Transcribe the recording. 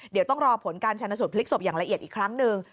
เดี๋ยวต้องรอผลการชนสูตรพลิกศพอย่างละเอียดอีกครั้งหนึ่ง